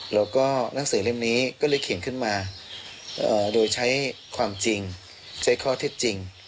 แล้วก็หนังสือเล่มนี้ก็เลยเขียนขึ้นมาโดยใช้ความจริงใช้ข้อเท็จจริง